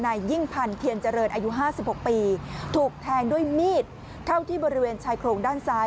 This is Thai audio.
นายยิ่งพันธ์เทียนเจริญอายุ๕๖ปีถูกแทงด้วยมีดเข้าที่บริเวณชายโครงด้านซ้าย